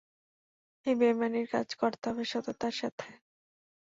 এই বেইমানির কাজ করতে হবে সততার সাথে।